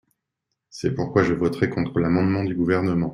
C’est pourquoi je voterai contre l’amendement du Gouvernement.